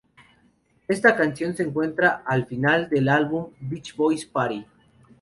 Esta canción se encuentra al final del álbum "Beach Boys Party".